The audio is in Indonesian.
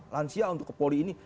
lansia untuk ke poli ini